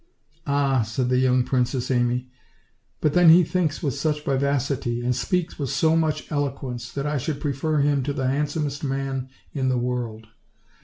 "Ah!" said the young Princess Amy, "but then he thinks with such vivacity, and speaks with so much elo quence, that I should prefer him to the handsomest man in the world.